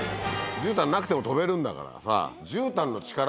じゅうたんなくても飛べるんだからさ。